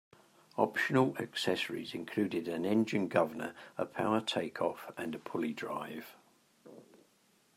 Optional accessories included an engine governor, a power takeoff, and a pulley drive.